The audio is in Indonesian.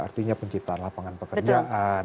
artinya penciptaan lapangan pekerjaan